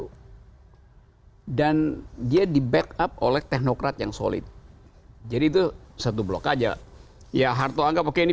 hai dan dia di backup oleh teknokrat yang solid jadi tuh satu blok aja ya harto anggap oke ini